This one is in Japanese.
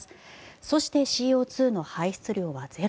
そして、ＣＯ２の排出量はゼロ。